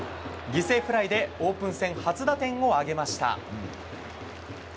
犠牲フライでオープン戦初打点を挙げました。